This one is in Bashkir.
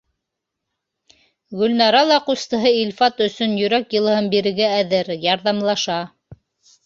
Гөлнара ла ҡустыһы Илфат өсөн йөрәк йылыһын бирергә әҙер, ярҙамлаша.